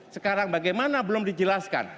sekarang bagaimana belum dijelaskan